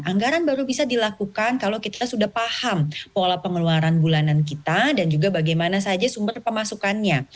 anggaran baru bisa dilakukan kalau kita sudah paham pola pengeluaran bulanan kita dan juga bagaimana saja sumber pemasukannya